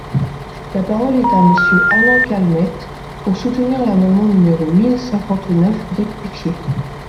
La parole est à Monsieur Alain Calmette, pour soutenir l’amendement numéro mille cinquante-neuf rectifié.